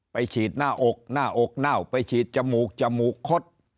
ฉีดหน้าอกหน้าอกเน่าไปฉีดจมูกจมูกคด